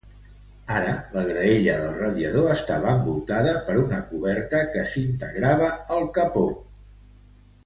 Ara la graella del radiador estava envoltada per una coberta que s'integrava al capó.